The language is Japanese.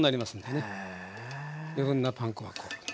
余分なパン粉はこう。